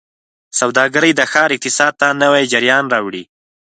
سوداګرۍ د ښار اقتصاد ته نوي جریان راوړي.